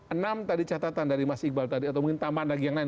enam tadi catatan dari mas iqbal tadi atau mungkin tambahan lagi yang lain